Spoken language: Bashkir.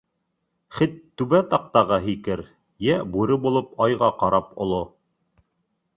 Хет түбә таҡтаға һикер, йә бүре булып айға ҡарап оло.